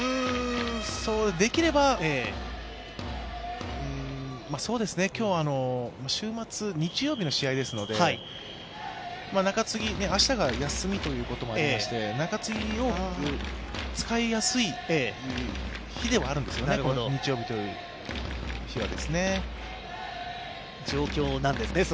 できれば、そうですね、今日は日曜日の試合ですので明日が休みということもありまして、中継ぎを使いやすい日ではあるんですよね、日曜日という日は。